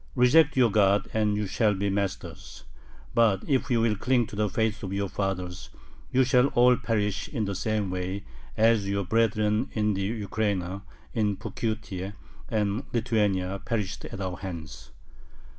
Reject your God, and you shall be masters! But if you will cling to the faith of your fathers, you shall all perish in the same way as your brethren in the Ukraina, in Pokutye, and Lithuania perished at our hands."